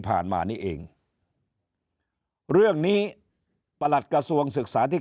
มานี่เองเรื่องนี้ประหลัดกระทรวงศึกษาที่